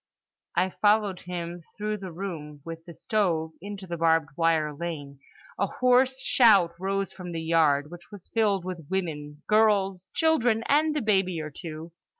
I followed him, through the room with the stove, into the barbed wire lane. A hoarse shout rose from the yard—which was filled with women, girls, children, and a baby or two.